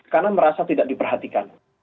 karena merasa tidak diperhatikan